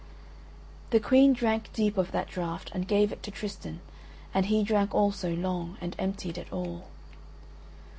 The Queen drank deep of that draught and gave it to Tristan and he drank also long and emptied it all.